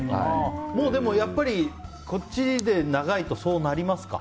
もう、やっぱりこっちで長いとそうなりますか。